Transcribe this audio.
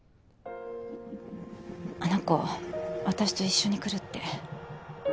あの子私と一緒に来るって。